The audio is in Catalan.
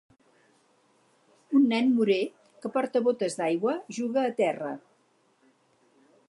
Un nen morè que porta botes d'aigua juga a terra.